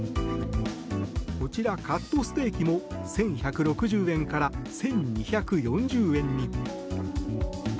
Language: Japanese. こちら、カットステーキも１１６０円から１２４０円に。